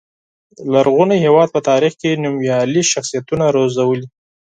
لرغوني هېواد په تاریخ کې نومیالي شخصیتونه روزلي.